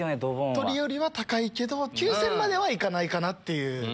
鶏よりは高いけど９０００までは行かないかなっていう。